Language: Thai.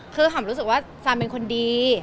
คือหอมรู้สึกว่าซานเป็นคนดี